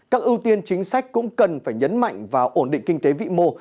các ưu tiên chính sách cũng cần phải nhấn mạnh vào ổn định kinh tế vĩ mô